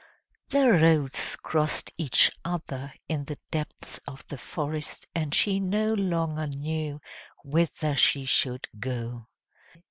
The roads crossed each other in the depths of the forest, and she no longer knew whither she should go!